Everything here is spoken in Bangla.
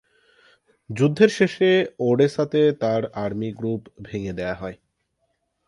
যুদ্ধের শেষে ওডেসাতে তার আর্মি গ্রুপ ভেঙ্গে দেয়া হয়।